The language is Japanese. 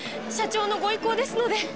社長のご意向ですので！